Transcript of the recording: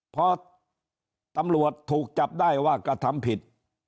พอตำรวจถูกจับได้ว่ากระทำผิด